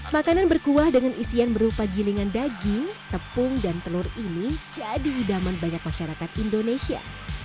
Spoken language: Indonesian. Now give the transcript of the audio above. makanan berkuah dengan isian berupa gilingan daging tepung dan telur ini jadi idaman banyak masyarakat indonesia